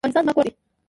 افغانستان زما کور دی.